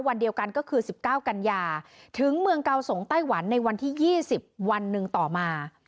วันเดียวกันก็คือ๑๙กันยาถึงเมืองเกาสงไต้หวันในวันที่๒๐วันหนึ่งต่อมา